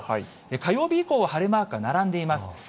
火曜日以降は晴れマークが並んでいます。